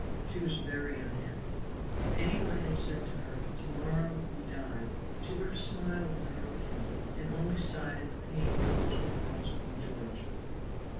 she was very unhappy. If any one had said to her, "to morrow you die," she would have smiled on her own account, and only sighed at the pain the news would cause poor George.